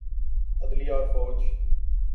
عدلیہ اورفوج۔